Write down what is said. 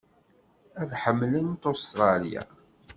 Ad tḥemmlemt Ustṛalya.